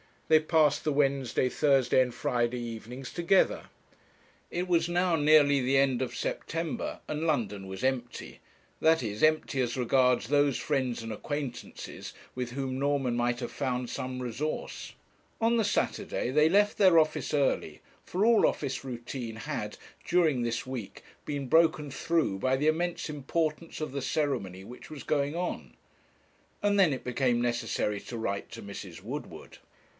They passed the Wednesday, Thursday, and Friday evenings together. It was now nearly the end of September, and London was empty; that is, empty as regards those friends and acquaintances with whom Norman might have found some resource. On the Saturday they left their office early; for all office routine had, during this week, been broken through by the immense importance of the ceremony which was going on; and then it became necessary to write to Mrs. Woodward.